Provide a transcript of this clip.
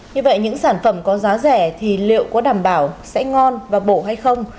như vậy những sản phẩm có giá rẻ thì liệu có đảm bảo sẽ ngon và bổ hay không